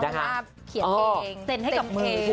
น้องเบล่าเขียนเอ่งเซ็นให้กับมือ